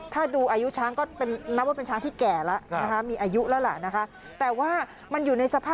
ถ้าดูอายุช้างก็นับว่าเป็นช้างที่แก่แล้วนะคะ